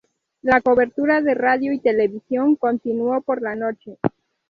La cobertura de radio y televisión continuó por la noche.